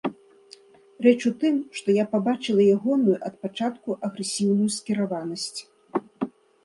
Рэч у тым, што я пабачыла ягоную ад пачатку агрэсіўную скіраванасць.